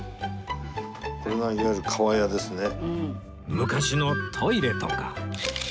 昔のトイレとか